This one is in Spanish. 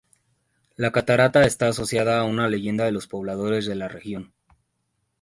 La catarata está asociada a una leyenda de los pobladores de la región.